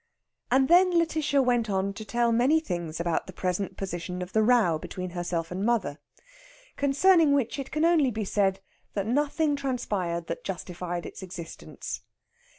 And then Lætitia went on to tell many things about the present position of the "row" between herself and her mother, concerning which it can only be said that nothing transpired that justified its existence.